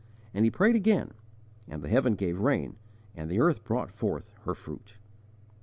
And he prayed again, and the heaven gave rain, and the earth brought forth her fruit."